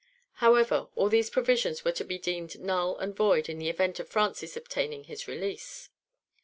(1) However, all these provisions were to be deemed null and void in the event of Francis obtaining his release.